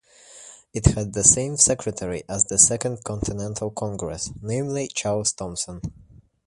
It had the same secretary as the Second Continental Congress, namely Charles Thomson.